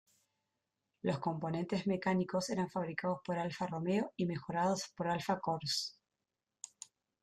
Los componentes mecánicos eran fabricados por Alfa Romeo y mejorados por Alfa Corse.